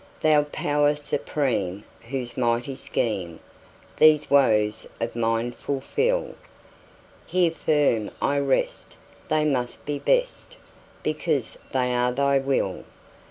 Thou Power Supreme, whose mighty schemeThese woes of mine fulfil, Here firm I rest; they must be best, Because they are Thy will!